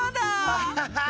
アハハッ！